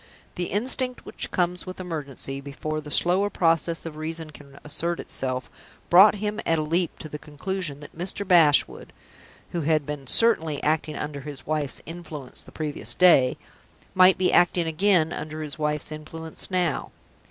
The instinct which comes with emergency, before the slower process of reason can assert itself, brought him at a leap to the conclusion that Mr. Bashwood who had been certainly acting under his wife's influence the previous day might be acting again under his wife's influence now.